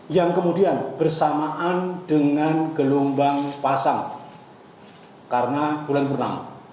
yang kemudian bersamaan dengan gelombang pasang karena bulan purnama